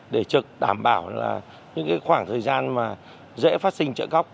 để trực đảm bảo những khoảng thời gian dễ phát sinh trợ góc